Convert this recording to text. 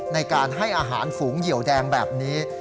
ในการให้อาหารฝูงเหยียวแดงแบบนี้